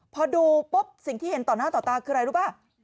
พอดูปุ๊บสิ่งที่เห็นต่อหน้าต่อตาคืออะไรรู้ป่ะ